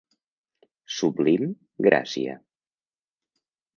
Sublim Gràcia.